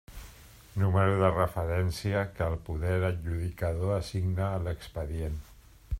Número de referència que el poder adjudicador assigna a l'expedient.